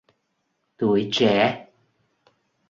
Tuổi trẻ